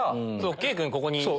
圭君ここにね。